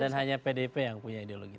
dan hanya pdp yang punya ideologi